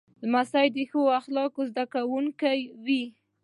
لمسی د ښو اخلاقو زده کوونکی وي.